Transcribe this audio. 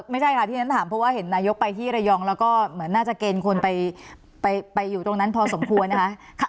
ไม่ใช่ค่ะที่ฉันถามเพราะว่าเห็นนายกไปที่ระยองแล้วก็เหมือนน่าจะเกณฑ์คนไปอยู่ตรงนั้นพอสมควรนะคะ